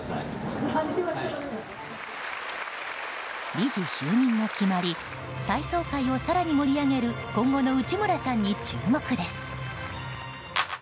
理事就任も決まり体操界を更に盛り上げる今後の内村さんに注目です。